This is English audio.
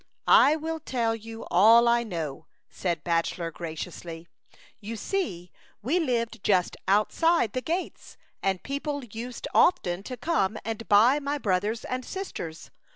" I will tell you all I know," said Bachelor graciously. " You see we lived just outside the gates, and peo ple used often to come and buy my 22 A Cliatitauqtia Idyl. brothers and sisters.